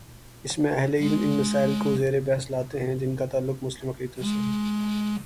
اس میں اہل علم ان مسائل کو زیر بحث لاتے ہیں جن کا تعلق مسلم اقلیتوں سے ہے۔